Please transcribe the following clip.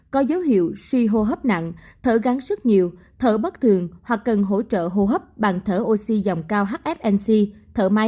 có dấu hiệu suy hô hấp nặng thở gắng sức nhiều thở bất thường hoặc cần hỗ trợ hô hấp bằng thở oxy dòng cao hfnc thở máy